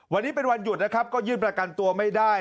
วันนี้เป็นวันหยุดนะครับก็ยื่นประกันตัวไม่ได้